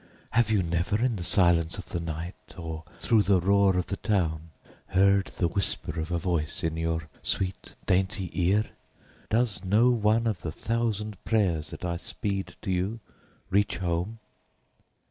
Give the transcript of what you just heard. Have you never, in the silence of the night, or through the roar of the town, heard the whisper of a voice in your sweet, dainty ear? Does no one of the thousand prayers that I speed to you reach home?